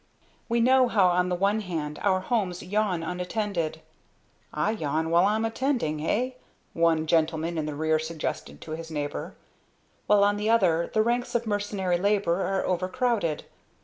"We know how on the one hand our homes yawn unattended" ("I yawn while I'm attending eh?" one gentleman in the rear suggested to his neighbor) "while on the other the ranks of mercenary labor are overcrowded.